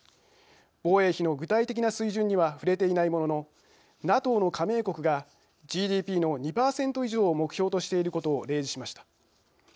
防衛費の具体的な水準には触れていないもののＮＡＴＯの加盟国がＧＤＰの２％以上を目標としていることを例示しました。